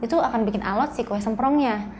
itu akan bikin alat si kue semprongnya